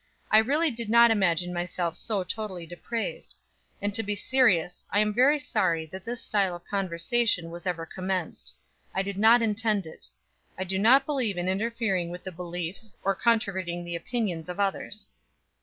I really did not imagine myself so totally depraved. And to be serious, I am very sorry that this style of conversation was ever commenced. I did not intend it. I do not believe in interfering with the beliefs, or controverting the opinions of others."